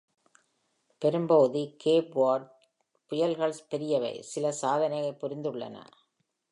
பெரும்பகுதி Cape Verde புயல்கள் பெரியவை, சில சாதனை புரிந்துள்ளன.